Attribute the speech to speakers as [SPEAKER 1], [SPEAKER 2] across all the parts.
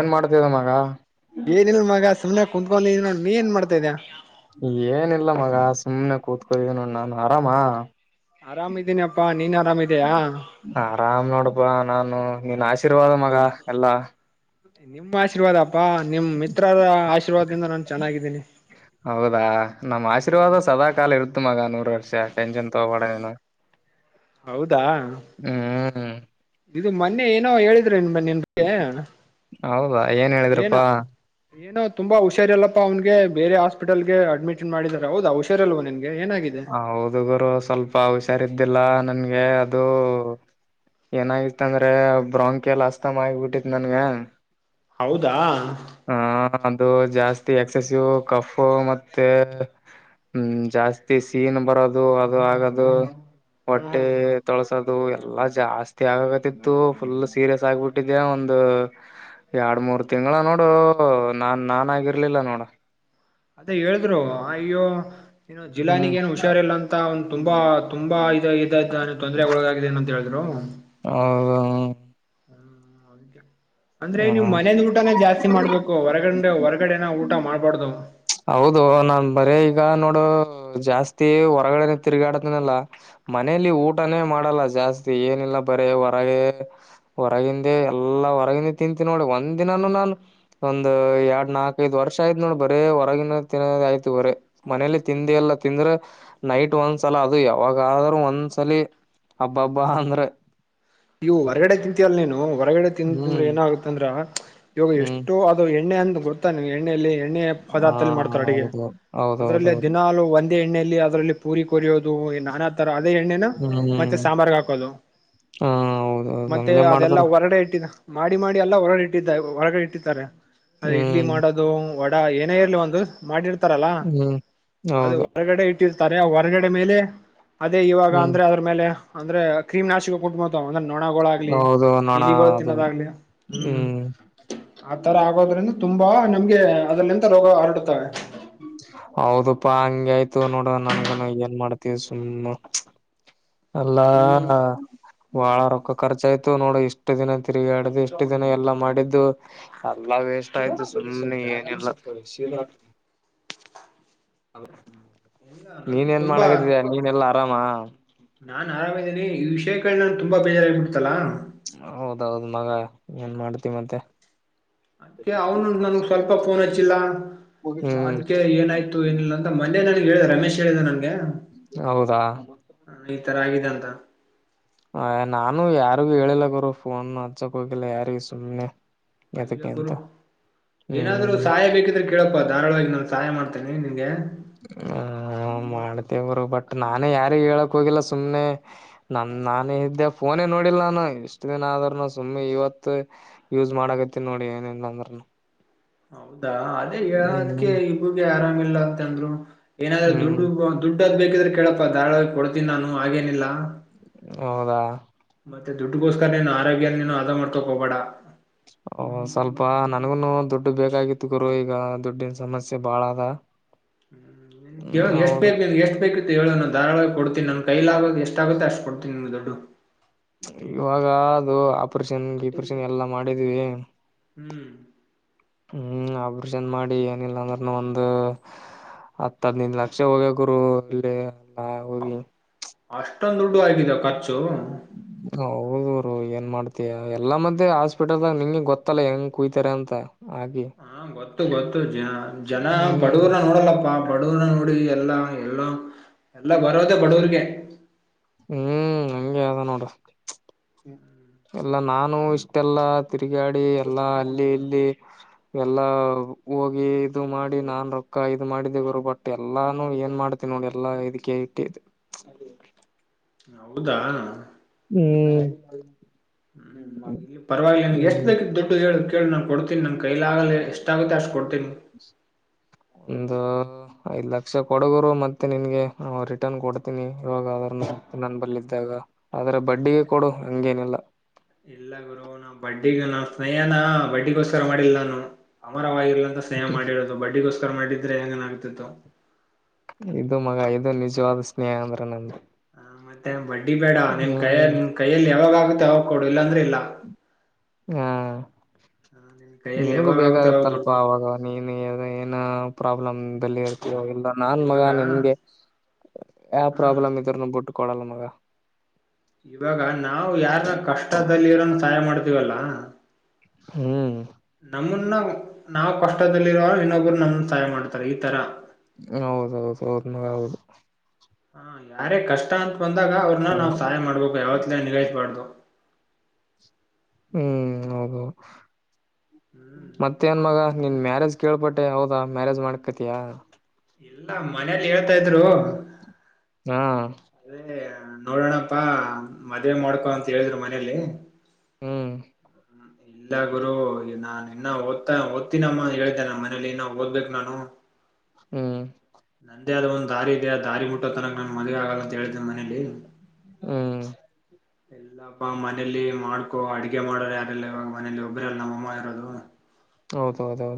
[SPEAKER 1] ಏನ್ ಮಾಡ್ತಿದ ಮಗಾ
[SPEAKER 2] ಏನಿಲ್ ಮಗಾ ಸುಮ್ನೆ ಕ ಕುತಗೋಂಡಿದ್ದ ನ ನೀ ಎನ್ ಮಾಡತ ಇದೀಯಾ
[SPEAKER 1] ಏನಿಲ್ಲ ಮಗಾ ಸುಮ್ನೆ ಕೂತ್ಕೋನೋ ನಾನ್ ಆರಾಮಾ
[SPEAKER 2] ಆರಾಮಿದೀನಪ್ಪಾ ನೀನ್ ಆರಾಮಿದಯಾ
[SPEAKER 1] ಆರಾಮ್ ನೋಡಪಾ ನಾನು ನಿನ್ ಆಶೀರ್ವಾದ ಮಗ ಎಲ್ಲಾ
[SPEAKER 2] ನಿಮ್ಮ ಆಶೀರ್ವಾದಪ್ಪಾ ನಿಮ್ ಮಿತ್ರರ ಆಶೀರ್ವಾದದಿಂದ ನಾನು ಚೆನ್ನಾಗಿದ್ದೀನಿ
[SPEAKER 1] ಹೌದಾ ನಮ್ಮ್
[SPEAKER 2] ಹ್ಮ್
[SPEAKER 1] ಆಶೀರ್ವಾದ ಸದಾ ಕಾಲ ಇರುತ್ತ ಮಗಾ ನೂರ್ ವರ್ಷ ಟೆನ್ಷನ್ ತಗಬೋಡ ಎನು
[SPEAKER 2] ಹೌದಾ
[SPEAKER 1] ಹ್ಮ್
[SPEAKER 2] ಇದು ಮೊನ್ನೆ ಏನೋ ಹೇಳಿದ್ರೆ ನಿನ್ ಮನ್ನ ನಿನ್ ಬಗ್ಗೆ
[SPEAKER 1] ಹೌದಾ ಏನ್
[SPEAKER 2] ಏನೋ
[SPEAKER 1] ಹೇಳಿದ್ರಪ್ಪಾ
[SPEAKER 2] ಏನೋ ತುಂಬಾ ಹುಷಾರ ಅಲ್ಲಪ್ಪಾ ಅವನ್ಗೆ ಬೇರೆ ಹಾಸ್ಪಿಟಲ್ಗೆ ಅಡ್ಮಿಟ್ ಮಾಡಿದಿದ್ದಾರೆ ಹೌದಾ ಹುಸಾರಿಲ್ವಾ ನಿನ್ಗೆ ಏನ್
[SPEAKER 1] ಹೌದು ಗುರು ಸ್ವಲ್ಪ ಹುಷಾರ ಇದ್ದಿಲ್ಲ ನನ್ಗೆ ಅದು ಏನಾಗಿತ್ತ ಅಂದ್ರೆ ಬ್ರಾಂಕಿಯ ಎಲ್ಲ ಅಸ್ತಮ ಆಗಿ ಬಿಟ್ಟಿತ್ ನನ್ಗೆ
[SPEAKER 2] ಹೌದಾ
[SPEAKER 1] ಹ ಅದು ಜಾಸ್ತಿ ಎಕ್ಸೆಸಿವ್ ಕಫು ಮತ್ತೆ ಹ್ಮ್ ಜಾಸ್ತಿ ಸೀನ್ ಬರೋದು ಅದು ಆಗದು ಹೊಟ್ಟೆ
[SPEAKER 2] ಹ್ಮ್
[SPEAKER 1] ತೊಳ್ಸದು ಅದು ಎಲ್ಲಾ ಜಾಸ್ತಿ ಆಗಕತಿತ್ತು ಫುಲ್ ಸೀರಿಯಸ್ ಆಗ್ಬಿಟ್ಟಿದೆೆ ಒಂದು ಎರಡ್ ಮೂರ್ ತಿಂಗಳ ನೋಡು ನಾನ್ ನಾನ್ ಆಗಿರ್ಲಿಲ್ಲ ನೋಡ
[SPEAKER 2] ಅದ ಹೇಳಿದ್ರು ಅ ಅಯ್ಯೋ ಏನು ಜಿಲ್ಲಾನಗ
[SPEAKER 1] ಹ್ಮ್
[SPEAKER 2] ಏನೊ ಹುಷಾರ್ ಹುಷಾರಿಲ್ಲ ಅಂತ ಒಂದ್ ತುಂಬಾ ತುಂಬಾ ಇದ ಇದ ಇದ ತೊಂದ್ರೆ ಒಳಗಾಗಿದೆ ಏನ ಅಂತ ಹೇಳಿದ್ರು
[SPEAKER 1] ಹೌದು
[SPEAKER 2] ಹ್ಮ್ ಅಂದ್ರೆ ನೀವ್
[SPEAKER 1] ಹ
[SPEAKER 2] ಮನೆದ ಊಟನ ಜಾಸ್ತಿ ಮಾಡ್ಬೇಕು ಹೊರಗಂಡ ಹೊರಗ ಹೋರಗಡೆನ ಊಟಾ ಮಾಡ್ಬಾರ್ದು
[SPEAKER 1] ಹೌದು ನಾ ಬರೀ ಈಗ ನೋಡು ಜಾಸ್ತಿ ಹೊರಗಡೆನ ತಿರ್ಗಾಡದಲ್ಲಾ ಮನೇಲಿ ಊಟನೇ ಮಾಡಲ್ಲ ಜಾಸ್ತಿ ಏನಿಲ್ಲ ಬರೀ ಹೊರಗೆ ಹೊರಗಿಂದೆ ಎಲ್ಲಾ ಹೊರಗಿಂದ ತಿಂತೀನಿ ನೋಡ ಒಂದ್ ದಿನಾನೂ ನಾನು ಒಂದ್ ಎರಡ್ ನಾಲ್ಕ ಐದ ವರ್ಷ ಆಯ್ತ ನೋಡ ಬರೇ ಹೊರಗಿನ ತಿನ್ನೋದ ಆಯ್ತು ಬರೇ ಮನೇಲಿ ತಿಂದಿ ಎಲ್ಲ ತಿಂದ್ರೆ ನೈಟ್ ಒಂದ್ಸಲ ಅದು ಯಾವಾಗಾದ್ರೂ ಒಂದ್ಸಲಿ ಅಬ್ಬಾಬ್ಬಾ ಅಂದ್ರೆ
[SPEAKER 2] ನೀವು ಹೊರಗಡೆ ತಿಂತೀ ಅಲ್ ನೀನು ಹೊರಗಡೆ ತಿಂದಂದ್ರೆ
[SPEAKER 1] ಹ್ಮ್
[SPEAKER 2] ಏನಾಗುತ್ತಂದ್ರ ಇವಾಗ
[SPEAKER 1] ಹ್ಮ್
[SPEAKER 2] ಎಷ್ಟೋ ಅದು ಎಣ್ಣೆ ಅಂತ ಗೊರ್ತ್ತಾನೆ ಎಣ್ಣೆಯಲ್ಲಿ
[SPEAKER 1] ಹ
[SPEAKER 2] ಪದಾರ್ಥದಲ್ಲಿ ಮಾಡ್ತಾರೆ ಅಡುಗೆ
[SPEAKER 1] ಹೌದು
[SPEAKER 2] ಅದರಲ್ಲ
[SPEAKER 1] ಹೌದೌದೌದು
[SPEAKER 2] ದಿನ ಒಂದ ಅ ಎಣ್ಣೆಯಲ್ಲಿ ಅದರಲ್ಲಿ ಪೂರಿ ಕೊರಿಯೋದು ನಾನಾ ತರ ಅದೇ ಎಣ್ಣೆನ ಮತ್ತೆ
[SPEAKER 1] ಹ್ಮ್
[SPEAKER 2] ಸಾಂಬಾರ್ ಹಾಕೋದು
[SPEAKER 1] ಹ ಹೌದು
[SPEAKER 2] ಮತ್ತೆ ಅದೆಲ್ಲಾ ಹೊರಡೆ ಇಟ್ಟಿದ ಮಾಡಿ ಮಾಡಿ ಎಲ್ಲ ಹೊರಗಡೆ ಇಟ್ಟ ಹೊರಗಡೆ ಇಟ್ಟಿದ್ದಾರೆ ಅ ಇಡ್ಲಿ
[SPEAKER 1] ಹ್ಮ್
[SPEAKER 2] ಮಾಡೋದು ಅದು ವಡಾ ಏನೇ ಇರ್ಲಿ ಒಂದು ಮಾಡಿರ್ತಾರಲ್ಲ
[SPEAKER 1] ಹ್ಮ್
[SPEAKER 2] ಅದು
[SPEAKER 1] ಹೌದು
[SPEAKER 2] ಹೊರಗಡೆ ಇಟ್ಟಿರ್ತಾರೆ ಹೊರಗಡೆ ಮೇಲೆ ಅದೇ ಇವಾಗ
[SPEAKER 1] ಹ್ಮ್
[SPEAKER 2] ಅಂದ್ರೆ ಅದ್ರ ಮೇಲೆ ಅಂದ್ರೆ ಕ್ರೀಮ್ ನಾಶಿಕ ಕು ಒಂದ್ರ ನೊಣಗಳಾಗ್ಲಿ
[SPEAKER 1] ಹೌದು ನೋಣ
[SPEAKER 2] ಇಲಿಗಳು
[SPEAKER 1] ಅದು
[SPEAKER 2] ತಿನ್ನೋದಾಗ್ಲಿ ಹ್ಮ್ ಆ ತರ ಆಗೋದ್ರಿಂದ ತುಂಬಾ ನಮ್ಗೆ ಅದಲ್ಲಿಂತ ರೋಗ ಹರಡುತ್ತವೆ
[SPEAKER 1] ಹೌದಪ್ಪಾ ಹಂಗ ಆಯ್ತು ನೋಡ ನನ್ಗನು ಏನ್ ಮಾಡ್ತವಿ ಸುಮ್ಮ ಅಲ್ಲಾ ಬಹಳ ರೊಕ್ಕ ಖರ್ಚ ಆಯ್ತು ನೋಡು ಇಷ್ಟು ದಿನ ತಿರುಗಿ ಆಡ್ದು ಇಷ್ಟು ದಿನ ಎಲ್ಲಾ ಮಾಡಿದ್ದು ಅಲ್ಲಾ ವೇಸ್ಟ್ ಆಯ್ತು ಸುಮ್ನೆ ಏನಿಲ್ಲ
[SPEAKER 2] ಇಲ್ಲ ನನ್ಗೂ
[SPEAKER 1] ನೀನ್ ನ್
[SPEAKER 2] ತುಂಬಾ
[SPEAKER 1] ಮಾಡಕದಯ ನೀನ್ ಎಲ್ಲಾ ಆರಾಮ
[SPEAKER 2] ನಾನ್ ಆರಾಮಿದ್ದೀನನೆ ಈ ವಿಷಯಗಳ ನಾನ್ ತುಂಬಾ ಬೇಜಾರ ಬಿಿಡ್ತಲ್ಲಾ
[SPEAKER 1] ಹೌದೌದು್ ಮಗ ಏನ್ ಮಾಡ್ತಿ ಮತ್ತೆ
[SPEAKER 2] ಅದ್ಕ್ಕೆ ಅವ್ನು ನನ್ಗ್ ಸ್ವಲ್ಪ ಫೋನ್ ಹಚ್ಚಿಲ್ಲ
[SPEAKER 1] ಹ್ಮ್
[SPEAKER 2] ಅದ್ಕ್ಕೆ ಏನಾಯ್ತು ಏನಿಲ್ಲ ಅಂತ ಮಂದೆ ನನಗೆ ಹೇಳಿದೆ ರಮೇಶ್ ಹೇಳಿದೆ ನಂಗೆ
[SPEAKER 1] ಹೌದಾ
[SPEAKER 2] ಹ ಈ ತರ ಆಗಿದೆ ಅಂತ
[SPEAKER 1] ಹ ನಾನು ಯಾರಿಗು ಹೇಳಿಲ್ಲಗರು ಫೋನ್ ಹಚ್ಚಕ್ ಹೋಗಿಲ್ಲ ಯಾರಿ ಸುಮ್ನೆ
[SPEAKER 2] ಅಯ್ಯೋ
[SPEAKER 1] ಎದಕ್ಕೆ ಅಂತ
[SPEAKER 2] ಗುರು ಏನಾದ್ರು
[SPEAKER 1] ಹ್ಮ್
[SPEAKER 2] ಸಹಾಯ ಬೇಕಿದ್ರೆ ಕೇಳಕ್ ಧಾರವಾಳವಾಗಿ ನಾನು ಸಹಾಯ ಮಾಡ್ತೇನೆ ನಿಂಗೆ
[SPEAKER 1] ಹ ಮಾಡ್ತೇವರು ಬಟ್ ನಾನೇ ಯಾರಿಗ್ ಹೇಳಕ್ ಹೋಗಿಲ್ಲ ಸುಮ್ನೆ ನಮ ನಾನ ಇದ್ದೆ ಫೋನೇ ನೋಡಿಲ್ ನಾನು ಇಷ್ಟ ದಿನ ಆದ್ರನು ಸುಮ್ನೆ ಇವತ್ತು ಯೂಸ್ ಮಾಡಕತ್ತತಿನ್ ನೋಡಿ ಏನೇನ್ ಅಂದ್ರುನೂ
[SPEAKER 2] ಹೌದಾ ಅದೇ ಹೇಳದಕ್ಕೆ ಈಗೆ ಆರಾಮಿಲ್ಲ ಅಂತಂದ್ರು ಏನಾದ್ರೂ
[SPEAKER 1] ಹ್ಮ್
[SPEAKER 2] ದುಡ್ಡುಗು ಅಂತ ದುಡ್ಡದ್ ಬೇಕಿದ್ರೆ ಕೇಳಪ್ಪ ಧಾಳವಾಗಿ ಕೊಡ್ತೀನಿ ನಾನು ಆಗೇನಿಲ್ಲ
[SPEAKER 1] ಹೌದಾ
[SPEAKER 2] ಮತ್ತೆ ದುಡ್ಡಗೋಸ್ಕರನನು ಆರೋಗ್ಯ ನೀನು ಅ ಆದ ಮಾಡ್ಕೊ ಹೋಗಬೇಡ
[SPEAKER 1] ಓ ಸ್ವಲ್ಪ ನನ್ಗುನು ದುಡ್ಡು ಬೇಕಾಗಿತ್ತು ಗುರು ಈಗ ದುಡ್ಡಿನ ಸಮಸ್ಯೆ ಬಾಳ ಅದ ರ್
[SPEAKER 2] ಹೂ ಎಷ್ಟು ಬೇಕ ಎಷ್ಟು ಬೇಕ ಹೇಳ ನ ಧಾಳ ಕೊಡ್ತೀಿ ನನ್ ಕೈಲ ಆಗಕ್ ಎಷ್ಟ ಆಗುತ್ತೆ ಅಷ್ಟ ಕೊಡ್ತೀಿ ನಿಮ್ ದೊಡ್ಡು
[SPEAKER 1] ಇವಾಗ ಅದು ಆಪರೇಷನ್ ೀಪರೇಷನ್ ಎಲ್ಲಾ ಮಾಡಿದ್ವಿ
[SPEAKER 2] ಹೂ
[SPEAKER 1] ಹೂ ಆಬ್ರಷನ್ ಮಾಡಿ ಏನಿಲ್ಲಾ ಅಂದ್ರನು ಒಂದು ಹತ್ತ ಹದ್ ನಿಂದ್ ಲಕ್ಷ ಹೋಗ್ಯ ಗುರು ಅಲ್ಲಿ ಎಲ್ಲ ಹೋಗಿ
[SPEAKER 2] ಅಷ್ಟೊಂದ್ ದುಡ್ಡು ಆಗಿದ ಖರ್ಚು
[SPEAKER 1] ಹೌದರು ಏನ್ ಮಾಡ್ತಯ ಎಲ್ಲಾ ಮಧ್ಯೆ ಹಾಸ್ಪಿಟಲ್ದಾಗ ನಿಂಗೆ ಗೊತ್ತಲ್ಲ ಹೆಂಗ್ ಕುಯತಾರೆ ಅಂತ ಹಾಗೆ
[SPEAKER 2] ಹಾ ಗೊತ್ತು ಗೊತ್ತು ಜ ಜನ
[SPEAKER 1] ಹ್ಮ್
[SPEAKER 2] ಬಡವರ ನೋಡಲ್ಲಪ್ಪಾ ಬಡವರ ನೋಡಿ ಎಲ್ಲಾ ಎಲ್ಲೋ ಎಲ್ಲ ಬರೋದೆೇ ಬಡವರಿಗೆ
[SPEAKER 1] ಹೂ ಹಂಗೆ ಅದ ನೋಡ್ ಎಲ್ಲ ನಾನು ಇಷ್ಟೆಲ್ಲ ತಿರುಗಾಡಿ ಎಲ್ಲಾ ಅಲ್ಲಿ ಇಲ್ಲಿ ಎಲ್ಲಾ ಹೋಗಿ ಇದು ಮಾಡಿ ನಾನ್ ರೊಕ್ಕ ಇ ಮಾಡಿದ್ದೇವರು ಬಟ್ ಎಲ್ಲಾನು ಏನ್ ಮಾಡ್ ನೋಡಿ ಎಲ್ಲಾ ಇದು ಕೇಳಟ್ಟೆ ಇ
[SPEAKER 2] ಹೌದಾ
[SPEAKER 1] ಹೂ
[SPEAKER 2] ಹೂ ಪರವಾಗಿಲ್ಲ ನಗೆ ಎಷ್ಟು
[SPEAKER 1] ಹ್ಮ್
[SPEAKER 2] ಬೇಕ್ ದುಡ್ಡು ಹೇಳ ಕೇಳಿ ನಾನ್ ಕೊಡ್ತೀನಿ ನಂ ಕೈಲಾಗಲಿ ಎಷ್ಟಾಗುತ್ತೆ ಅಷ್ಟು ಕೊಡ್ತೀನಿ
[SPEAKER 1] ಒಂದು ಹೂ ಐದ್ ಲಕ್ಷ ಕೊಡಗರು ಮತ್ತೆ ನಿನ್ಗೆ ರಿಟರ್ನ್ ಕೊಡ್ತೀನಿ ಇವಾಗ ಅದ್ರನ್ನ ನನ್ ಬರ್ಿದ್ದಾಗ ಆದ್ರೆ ಬಡ್ಡಿಗೆ ಕೊಡು ಹಂಗೇನಿಲ್ಲ
[SPEAKER 2] ಇಲ್ಲ ಗುರು ಬಡ್ಡಿಗ ನ ಸ್ನೇಹನ ಬಡ್ಡಿಗೋಸ್ಕರ ಮಾಡಿಲ್ಲ ನಾನು ಅಮರವಾಗಿರ್ಲ ಎ ಸೇಹ ಮಾಡಿರೋದು ಬಡ್ಡಿಗೋಸ್ಕರ ಮಾಡಿದ್ರೆ ಹೆಂಗನ್ ಆಗ್ತಿತ್ತು.
[SPEAKER 1] ಇದು ಮಗ ಇದು ನಿಜವಾದ ಸ್ನೇಹ ಅಂದ್ರ ನಂದು.
[SPEAKER 2] ಹ ಮತ್ತೆ ಬಡ್ಡಿ ಬೇಡ ನಿನ್ ಕಯ
[SPEAKER 1] ಹ್ಮ್
[SPEAKER 2] ನಿನ್ ಕೈಯಲ್ಲಿ ಯಾವಾಗ ಆಗುತ್ತೆ ಯಾವಾಗ ಕೊಡು ಇಲ್ಲಾಂದ್ರೆ ಇಲ್ಲ.
[SPEAKER 1] ಹಾ
[SPEAKER 2] ಹ ನಿನ್ ಕೈಯಲ್ಲಿ
[SPEAKER 1] ನಿನ್ಗೂ
[SPEAKER 2] ಯಾವಾಗ ಆಗುತ್ತ ಅವಾಗ ದುಡ್ಡು
[SPEAKER 1] ಬೇಗಾಗತ್ತಲ್ಪ
[SPEAKER 2] ಕೊಡು
[SPEAKER 1] ಅವಾಗ ಅವಾಗ್. ನೀನು ಏನ ಪ್ರಾಬ್ಲಮ್ದಲ್ಲಿ ಇರ್ತೀರೋ ಇಲ್ಲ. ನಾನ್ ಮಗ
[SPEAKER 2] ಇವಾಗ
[SPEAKER 1] ನಿನ್ಗೆ ಯಾವ
[SPEAKER 2] ಹ
[SPEAKER 1] ಪ್ರಾಬ್ಲಮ್ ಇದ್ರನು ಬಿಟ್ಟ ಕೊಡಲ್ಲ ಮಗ.
[SPEAKER 2] ಇವಾಗ ನಾವು ಯಾರನ್ನ ಕಷ್ಟದಲ್ಲಿ ಇರೋನ ಸಹಾಯ ಮಾಡ್ತೀವಲ್ಲ.
[SPEAKER 1] ಹ್ಮ್.
[SPEAKER 2] ನಮ್ಮನ್ನ ನಾವ್ ಕಷ್ಟದಲ್ಲಿರುವೋರು ಇನ್ನೊಬ್ಬರು ನಮ್ಮನ್ನ ಸಹಾಯ ಮಾಡ್ತಾರೆ ಈ ತರ.
[SPEAKER 1] ಹೌದೌದು ಹೌದ ಮಗಾ ಹೌದು.
[SPEAKER 2] ಹ ಯಾರೇ ಕಷ್ಟ ಅಂತ ಬಂದಾಗ ಅವ್ರನ್ನ ನಾವ್ ಸಹಾಯ ಮಾಡ್ಬೇಕು ಯಾವತ್ಲ ನಿಗಾಯಿಸಬಾರ್ದು.
[SPEAKER 1] ಹ್ಮ್ ಹೌದು
[SPEAKER 2] ಹ್ಮ್
[SPEAKER 1] ಮತ್ತ ನ್ ಮಗ ನಿನ್
[SPEAKER 2] ಇನ್
[SPEAKER 1] ಮ್ಯಾರೇಜ್ ಕೇಳಪಟ್ಟೆ ಹೌದಾ ಮ್ಯಾರೇಜ್ ಮಾಡ್ಕತಿಯಾ.
[SPEAKER 2] ಇಲ್ಲ ಮನೇಲಿ ಹೇಳ್ತಾ ಇದ್ರು.
[SPEAKER 1] ಹ್ಮ.
[SPEAKER 2] ಅದೇ ನೋಡೋಣಪ್ಪಾ ಮದ್ವೆ ಮಾಡ್ಕೊ ಅಂತ ಹೇಳಿದ್ರು ಮನೇಲಿ.
[SPEAKER 1] ಹ್ಮ್.
[SPEAKER 2] ಹ್ಮ್. ಇಲ್ಲ ಗುರು ನಾನ್ ಇನ್ನ ಓದ್ತಾ ಓದ್ತಿನಮ್ಮ ಹೇಳಿದ್ದೇ ನಮ್ಮ ಮನೆಲಿ ಇನ್ನ ಓದ್ಬೇಕು ನಾನು.
[SPEAKER 1] ಹ್ಮ್.
[SPEAKER 2] ನಂದೇ ಆದ ಒಂದ ದಾರಿ ಇದೆ ಆ ದಾರಿ ಮುಟ್ಟೋ ತನಕ ನಾನ್ ಮದುವೆ ಆಗಲ್ಲ ಅಂತ ಹೇಳಿದೀನಿ ಮನೇಲಿ.
[SPEAKER 1] ಹ್ಮ್
[SPEAKER 2] ಇಲ್ಲಪ್ಪ ಮನೇಲಿ ಮಾಡ್ಕೊ ಅಡಗೆ ಮಾಡರು ಯಾರಿಲ್ಲ ಇವಾಗ ಮನೇಲಿ ಒಬ್ಬ್ರ ಅಲ್ಲ ನಮ್ಮಮ್ಮ ಇರೋದು.
[SPEAKER 1] ಹೌದೌದು.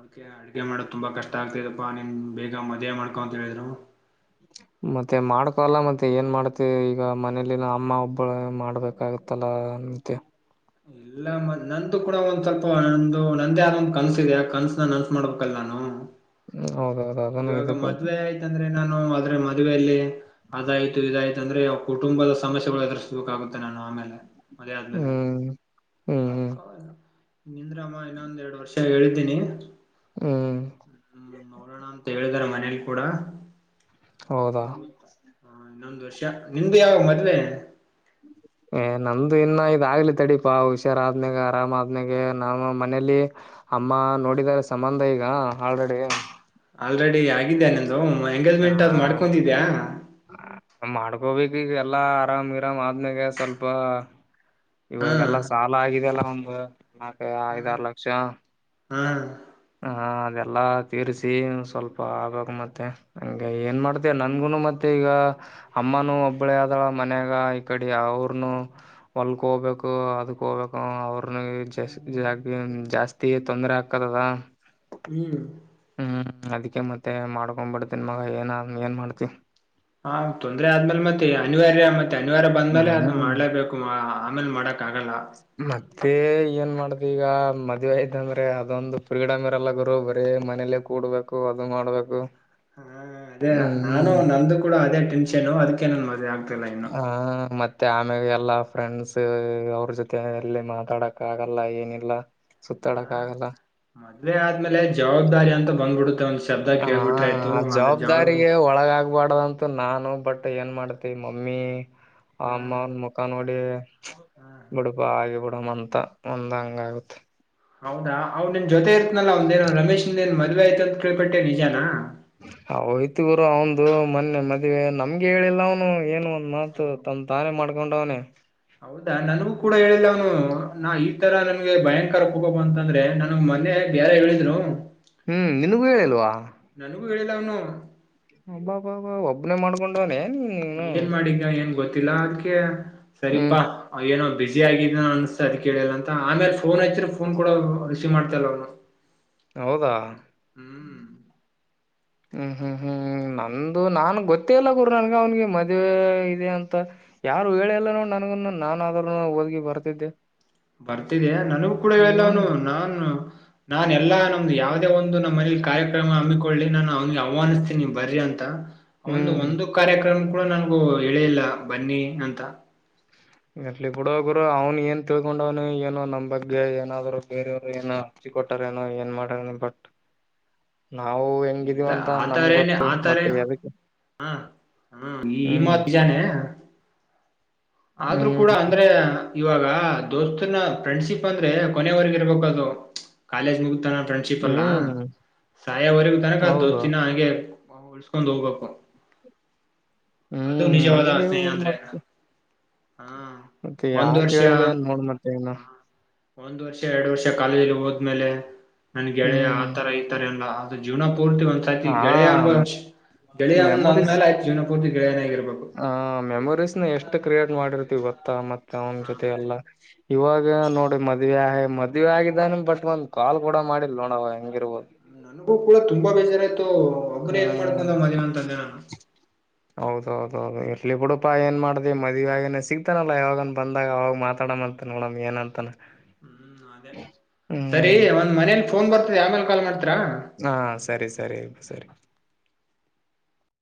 [SPEAKER 2] ಅದಕ್ಕೆ ಅಡುಗೆ ಮಾಡೋಕ್ ತುಂಬಾ ಕಷ್ಟ ಆಗ್ತದಪ್ಪಾ ನೀನ್ ಬೇಗ ಮದುವೆ ಮಾಡ್ಕೊ ಅಂತ ಹೇಳಿದ್ರು.
[SPEAKER 1] ಮತ್ತೆ ಮಾಡ್ಕೊಲ್ಲ ಮತ್ತೆ ಏನ್ ಮಾಡ್ತಿ ಈಗ ಮನೇಲಿನ ಅಮ್ಮ ಒಬ್ಬಳ ಮಾಡ್ಬೇಕಾ. [unintelligible]
[SPEAKER 2] ಇಲ್ಲ ಮ ನಂದು ಕೂಡ ಒಂದ್ ಸ್ವಲ್ಪ ಒಂದು ನಂದೇ ಆದ ಒಂದ ಕನ್ಸ ಇದೆ ಆ ಕನ್ಸನ ನನ್ಸ ಮಾಡ್ಬೇಕಲ್ಲ ನಾನು.
[SPEAKER 1] ಹ್ಮ ಹೌದೌದು ಅದನ್ನ ಇದದು.
[SPEAKER 2] ಯಾಕಂದ್ರೆ ನಾನು ಆದ್ರೆ ಮದುವೆಯಲ್ಲಿ. ಅದಾಯ್ತು ಇದಾಯ್ತುಂದ್ರೆ ಕುಟುಂಬದ ಸಮಸ್ಯೆಗಳು ಎದುರಿಸಸ್ಬೇಕಾಗುತ್ತೆ ನಾನು ಆಮೇಲೆ. ಮದ್ವೆ ಆದ್ಮೇಲೆ
[SPEAKER 1] ಹ್ಮ್ ಹ್ಮ್ ಹ್ಮ್
[SPEAKER 2] ಅದ್ಕಕೆ ವಲ್ಲೆ. ನಿಂದ್ರಮ್ಮ ಇನ್ನೊಂದ ಎರಡ್ ವರ್ಷ ಹೇಳಿದ್ದೀನಿ.
[SPEAKER 1] ಹ್ಮ್.
[SPEAKER 2] ಹ್ಮ್ ನೋಡೋಣ ಅಂತ ಹೇಳಿದಾರ ಮನೇಲಿ ಕೂಡ
[SPEAKER 1] ಹೌದಾ
[SPEAKER 2] ನೋಡ್ಬೇಕ ಹಾ ಇನ್ನೊಂದು ವರ್ಷ ನಿಂದು ಯಾವಗ ಮದ್ವೆ.
[SPEAKER 1] ಏ ನಮ್ದು ಇನ್ನ ಇದಾಗ್ಲಿ ತಡೀಪಾ ಹುಷಾರ ಆದ್ನಾಗ ಆರಾಮ ಆದ್ನಾಗ ನಾನ ಮನೇಲಿ. ಅಮ್ಮ ನೋಡಿದಿದ್ದಾರೆ ಸಂಬಂಧ ಈಗ ಆಲ್ರೆಡಿ.
[SPEAKER 2] ಆಲ್ರೆಡಿ ಆಗಿದ್ಯಾ ನಿಂದು ಎಂಗೇಜ್ಮೆಂಟ್ ಅದ ಮಾಡ್ಕೊಂಡಿದ್ದೀಯಾ.
[SPEAKER 1] ಮಾಡ್ಕೊಬೇಕ ಈಗ ಎಲ್ಲಾ ಆರಾಮ್ ಇರಾಮ್ ಆದ್ಮ್ಯಾಗ ಸ್ವಲ್ಪ.
[SPEAKER 2] ಹಾ
[SPEAKER 1] ಇವಾಗೆಲ್ಲಾ ಸಾಲ ಆಗಿದೆ ಅಲ್ಲ ಒಂದು ನಾಕ ಐದಾರ ಲಕ್ಷ.
[SPEAKER 2] ಹ್ಮ.
[SPEAKER 1] ಹ ಅದೆಲ್ಲಾ ತೀರಿಸಿ ಸ್ವಲ್ಪ ಆಗಕ್ ಮತ್ತೆ. ಹಂಗ ಏನ್ ಮಾಡ್ತ ನನ್ಗುನು ಮತ್ತೆ ಈಗ. ಅಮ್ಮನುೂ ಒಬ್ಬಳೇ ಆದಳ ಮನ್ಯಾಗ ಈ ಕಡೆ ಅವ್ರನು ಹೊಲ್ಗ ಹೋಗ್ಬೇಕು ಅದಕ್ಕೆ ಹೋಗಬೇಕು ಅವ್ರನ ಜ ಜಾಸ್ತಿ ತೊಂದ್ರರೆ ಆಗ್ಕದದ
[SPEAKER 2] ಹೂ
[SPEAKER 1] ಹೂ ಅದಕ್ಕೆ ಮತ್ತೆ ಮಾಡ್ಕೊಂಡ್ ಬಿಡ್ತನ್ ಮಗ ಏನ ಏನ್ ಮಾಡ್ತಿ
[SPEAKER 2] ಹ ತೊಂದ್ರೆ ಆದ್ಮೇಲೆ ಮತ್ತೆ ಅನಿವಾರ್ಯ ಮತ್ತೆ ಶನಿವಾರ ಬಂದ್ಮೇಲೆ ಅ
[SPEAKER 1] ಹ್ಮ್
[SPEAKER 2] ಮಾಡ್ಲೇಬೇಕು ಆಮೇಲೆ ಮಾಡಕ್ ಆಗಲ್ಲ
[SPEAKER 1] ಮತ್ತೆ ಏನ್ ಮಾಡ್ದ್ ಈಗ ಮದುವೆ ಇತ ಅಂದ್ರೆ ಅದೊಂದು ಫ್ರೀಡಮ್ ಇರಲ್ಲ ಗುರು ಬರೇ ಮನೇಲಿ ಕೂಡ್ಬೇಕು ಅದು ಮಾಡ್ಬೇಕು
[SPEAKER 2] ಹಾ ಅದೇ ನಾನು
[SPEAKER 1] ಹ್ಮ್
[SPEAKER 2] ನಮ್ದು ಕೂಡ ಅದೇ ಟೆನ್ಷನ್ ಅದಕ್ಕೇ ನನ್ ಮದುವೆ ಆಗ್ತಿಲ್ಲ ಇನ್ನು
[SPEAKER 1] ಹ ಮತ್ತೆ ಆಮ್ಯಾಗ ಎಲ್ಲಾ ಫ್ರೆಂಡ್ಸ್ ಅವ್ರ ಜೊತೆ ಎಲ್ಲಿ ಮಾತಾಡಕ್ ಆಗಲ್ಲ ಏನಿಲ್ಲ ಸುತ್ತಾಡಕ
[SPEAKER 2] ಹ
[SPEAKER 1] ಆಗಲ್ಲ
[SPEAKER 2] ಮದ್ವೆ ಆದ್ಮೇಲೆ ಜವಾಬ್ದಾರಿ ಅಂತ ಬಂದ್ಬಿಡುತ್ತೆ ಒಂದ್ ಶಬ್ದ ಕೇಳ್ಬಿಟ್ರಾಯಯ್ತು ಆದ ಜವಾಬ್ದಾರಿ
[SPEAKER 1] ಒಳಗಾಗಬಾರ್ದ ಅಂತ ನಾನು ಬಟ್ ಏನ್ ಮಾಡ್ತಿ ಮಮ್ಮಿ ಆ
[SPEAKER 2] ಹಾ
[SPEAKER 1] ಅಮ್ಮ ಅವನ್ ಮುಖ ನೋಡಿ
[SPEAKER 2] ಹಾ ಹಾ
[SPEAKER 1] ಬಿಡಪ ಆಗಿ ಬಿಡಮ್ಮ ಅಂತ ಒಂದ್ ಹಂಗ ಆಗತ್
[SPEAKER 2] ಹೌದಾ ಅವ್ ನಿನ್ ಜೊತೆ ಇರ್ತನಲ್ಲಾಂದೇಏ ರಮೇಶ್ಂದೇನ್ ಮದ್ವೆ ಆಯ್ತು ಅಂತ ಕೇಳ್ಪಟ್ಟೇ ನಿಜಾನ
[SPEAKER 1] ಹ ಹೋಯ್ತು ಗುರು ಅವಂದು ಮೊನ್ನೆ ಮದ್ವೆ ನಮ್ಗೆ ಹೇಳಿಲ್ಲ ಅವನು ಏನು ಒಂದ ಮಾತ್ ಆ ತಂದ ತಾನೆ ಮಾಡ್ಕೊಂಡವನೇ
[SPEAKER 2] ಹೌದಾ ನನಗೂ ಕೂಡ ಹೇಳಿಲ್ಲ ಅವ್ನು ನಾ ಈ ತರ ನಮಗೆ ಭಯಂಕರ ಕೋಪ ಬಂತ್ ಅಂತಂದ್ರೆ ನಮ್ ಮೊನೆ ಬೇರೆ ಹೇಳಿದ್ರು
[SPEAKER 1] ಹೂ ನಿನಗೂ ಹೇಳಿಲ್ವಾ
[SPEAKER 2] ನನಗೂ ಹೇಳಿಲ್ಲ ಅವ್ನು
[SPEAKER 1] ಹಬ್ಬ ಬಾಬಾ ಒಬ್ಬನೇ ಮಾಡ್ಕೊಂಡವನೇ
[SPEAKER 2] ಏನ್ ಮಾಡಿದಗ ಏನ್ ಗೊತ್ತಿಲ್ಲ ಅದ್ಕ್ಕೆ
[SPEAKER 1] ಹ್ಮ್
[SPEAKER 2] ಸರಿಪಾ ಏನೋ ಬಿಸಿಿ ಆಗಿದ ಅನ್ಸತ ಅದ ಕೇಳಿಲ್ಲ ಅಂತ ಆೇ ಫೋನ್ ಹಯತ್ೆ ಫೋನ್ ಕೂಡ ರಿಸೀ್ ಮಾಡ್ತಾಲ್ಲ ಅವನು
[SPEAKER 1] ಹೌದಾ
[SPEAKER 2] ಹ್ಮ್
[SPEAKER 1] ಹೂ ಹೂ ಹೂ ನಂದು ನಾನ್ ಗೊತ್ತೇ ಇಲ್ಲ ಗುಡ ನನ್ಗ ಅವ್ನ್ಿಗೆ ಮದ್ವೆ ಇದೆ ಅಂತ ಯಾರು ಹೇಳೆ ಎಲ್ಲ ನೋ ನನ್ಗನು ನಾನಾದ್ರೂನು ಹೋಗಿ ಬರ್ತಿದ್ದೆ
[SPEAKER 2] ಬರ್ತಿದೆಯ ನನಗೂ ಕೂಡ
[SPEAKER 1] ಹ್ಮ್
[SPEAKER 2] ಹೇಳೆಲ್ಲನು ನಾಾನು ನಾನ ಎಲ್ಲಾ ನಮ್ದು ಯಾವದೇ ಒಂದು ನಮ್ಮ್ ಮನಲಿ ಕಾರ್ಯಕ್ರಮ ಹಮ್ಮಿಕೊಳ್ಳಿ ನಾನು ಅವ್ನಿಗೆ ಆಹ್ಾನಿಸ್ತೀನಿ್ ಬರ್ರಿ ಅಂತ ಅವಂದು
[SPEAKER 1] ಹ್ಮ್
[SPEAKER 2] ಒಂದು ಕಾರ್ಯಕ್ರಮ ಕೂಡ ನಂಗು ಹೇಳಿಲ್ಲ ಬನ್ನಿ ಅಂತ
[SPEAKER 1] ಇರ್ಲಿ ಬಿಡು ಗುರು ಅವ್ನು ಏನ್ ತಿಳ್ಕೊಂಡವ್ನು ಏನು ನಮ್ ಬಗ್ಗೆ ಏನಾದ್ರು ಬೇರೆಯವರು ಏನ ಅಚ್ಚಿ ಕೊಟ್ಟಾರೇಏನೋ ಏನ್ ಮಾಡೋನಾ ಬಟ್ ನಾವು ಹೆಂಗಿದೀವ
[SPEAKER 2] ಇಲ್ಲ
[SPEAKER 1] ಅಂತ ನಮ್
[SPEAKER 2] ಆತರ ಏನೆ
[SPEAKER 1] ಗೊತ್ತು
[SPEAKER 2] ಆತರ
[SPEAKER 1] ಬಟ್
[SPEAKER 2] ಏನ್
[SPEAKER 1] ಯಧುಕೇ
[SPEAKER 2] ಹಾ ಹ ಈ ಈ ಮಾತ್ ನಿಜಾನೆ ಆದ್ರರು ಕೂಡ
[SPEAKER 1] ಹ್ಮ್
[SPEAKER 2] ಅಂದ್ರೆ ಇವಾಗ ದೋಸ್ತನ ಫ್ರೆಂಡ್ಶಿಪ್ ಅಂದ್ರೆ ಕೊನೆವರೆಗ ಇರ್ಬೇಕ ಅದು ಕಾಲೇಜ್ ಮುಗತಾನ ಫ್ರೆಂಡ್ ಚಿಪಲ್ಲಾ
[SPEAKER 1] ಹ್ಮ್
[SPEAKER 2] ಸಾಯವರೆಗ ತನಕ
[SPEAKER 1] ಹೌದು
[SPEAKER 2] ದೋಸ್ತಿನಾ ಅಂಗೇ ಉಳ್ಸ್ಕೊಂಡ್ ಹೋಗ್ಬೇಕು ಅದು
[SPEAKER 1] ಹ್ಮ್
[SPEAKER 2] ನಿಜವಾದ
[SPEAKER 1] ಹಂಗೆ
[SPEAKER 2] ಸ್ನೇಹ
[SPEAKER 1] ಬಿಡು
[SPEAKER 2] ಅಂದ್ರೆ
[SPEAKER 1] ಮತ್ತೆ
[SPEAKER 2] ಹಾ
[SPEAKER 1] ಮತ್ತೆ
[SPEAKER 2] ಒಂದು
[SPEAKER 1] ಯಾಕೆ
[SPEAKER 2] ವರ್ಷ
[SPEAKER 1] ಹೇಳಿಲ್ಲ ಏನ್ ನೋಡ್ ಮತ್ತೆ ಇನ್ನು
[SPEAKER 2] ಹ ಒಂದ್ ವರ್ಷ ಎರಡು ವರ್ಷ ಕಾಲೇಜಲಿ ಹೋದ್ಮೇಲೆ ನನ್ ಗೆಳೆಯ
[SPEAKER 1] ಹ್ಮ್
[SPEAKER 2] ಆತರ ಇತಾರೆ ಅಲ್ಲ ಜೀವನ ಪೂರ್ತಿ ಒಂದ್ಸತಿ
[SPEAKER 1] ಹಾ
[SPEAKER 2] ಗೆಳೆಯ ಅಂಬ ಗೆಳೆಯಂದ್ೇ ಆ್ತು ಜೀವನ ಪೂರ್ತಿ ಗೆಳೆಯನೇ ಆಗಿರ್ಬೇಕು
[SPEAKER 1] ಹ ಮೆಮೊರೀಸ್ನ ಎಷ್ಟು ಕ್ರಿಯೇಟ್ ಮಾಡಿರ್ತಿವಿ ಗೊತ್ತಾ ಮತ್ತೆ ಅವ್ನ್
[SPEAKER 2] ಹಾ
[SPEAKER 1] ಜೊತೆ
[SPEAKER 2] ಮತ್ತೆ
[SPEAKER 1] ಎಲ್ಲಾ ಇವಾಗ ನೋಡರಿ ಮದ್ವೆ ಆ ಮದ್ವೆ ಆಗಿದ್ದಾನ ಬಟ್ ಒಂದ್ ಕಾಲ್ ಕೂಡ ಮಾಡಿಲ್ ನೋಡ ಅವಾ ಹೆಂಗಿರ್ಬೋದು
[SPEAKER 2] ನನ್ಗೂ ಕೂಡ ತುಂಬಾ ಬೇಜಾರಾಯ್ತು ಒಬ್ಬನೇ ಏನ್
[SPEAKER 1] ಹ್ಮ
[SPEAKER 2] ಮಾಡ್ಕೊಂಡ ಮದುವೆ ಅಂತಂದೆ ನಾನು
[SPEAKER 1] ಹೌದೌದೌದು ಇರ್ಲಿ ಬಿಡುಪಾ ಏನ್ ಮಾಡ್ದ ಮದುವೆ ಆಗನ ಸಿಗ್ತಾನಲ್ಲಾ ಯಾವಾಗನ್ ಬಂದಾಗ ಅವಾಗ ಮಾತಾಡಮ ಮತ್ತ ನೋಡಮ ಏನ್ ಅಂತಾನ
[SPEAKER 2] ಹ್ಮ ಅದೇ ಸರಿ ಒಂದ್ ಮನೇಲಿ ಫೋನ್ ಬರ್ತದ ಆಮೇಲೆ ಮೇಲೆ ಕಾಲ್ ಮಾಡ್ತೀರಾ
[SPEAKER 1] ಹಾ ಸರಿ ಸರಿ ಆ ಸರಿ